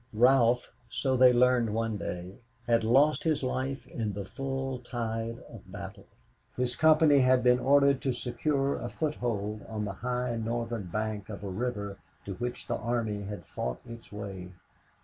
Ralph, so they learned one day, had lost his life in the full tide of battle. His company had been ordered to secure a foothold on the high northern bank of a river to which the army had fought its way.